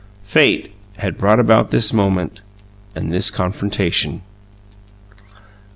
Fate had brought about this moment and this confrontation.